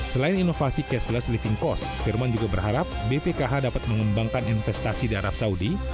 selain inovasi cashless living cost firman juga berharap bpkh dapat mengembangkan investasi di arab saudi